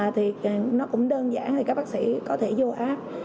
thì nó cũng đơn giản thì các bác sĩ có thể vô áp